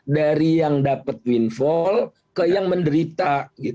dari yang dapat windfall ke yang menderita